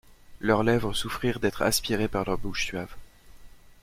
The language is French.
Leurs lèvres souffrirent d'être aspirées par leurs bouches suaves.